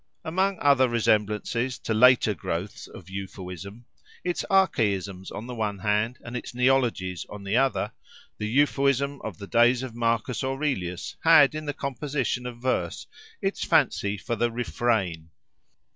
Among other resemblances to later growths of Euphuism, its archaisms on the one hand, and its neologies on the other, the Euphuism of the days of Marcus Aurelius had, in the composition of verse, its fancy for the refrain.